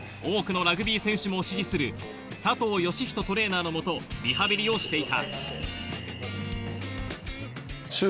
・堀江翔太など多くのラグビー選手も師事する佐藤義人トレーナーのもと、リハビリをしていた。